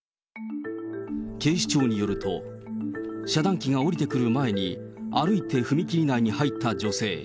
警視庁によると、遮断機が下りてくる前に、歩いて踏切内に入った女性。